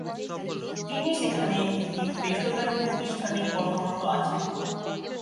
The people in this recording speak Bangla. তিনি সেখানে একটি বেসরকারি প্রতিষ্ঠানে কর্মরত আছেন।